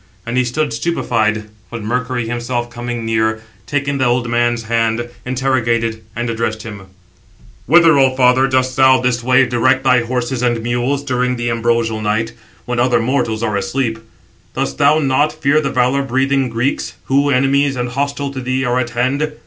And he stood stupified; but Mercury himself coming near, taking the old man's hand, interrogated, and addressed him: "Whither, O father, dost thou this way direct thy horses and mules during the ambrosial night, when other mortals are asleep? Dost thou not fear the valour breathing Greeks, who, enemies and hostile to thee, are at hand?